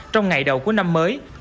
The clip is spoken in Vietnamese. trong ngày đầu của năm mới